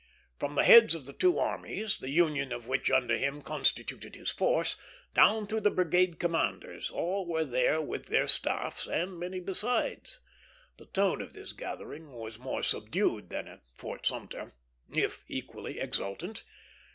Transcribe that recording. From the heads of the two armies, the union of which under him constituted his force, down through the brigade commanders, all were there with their staffs; and many besides. The tone of this gathering was more subdued than at Fort Sumter, if equally exultant.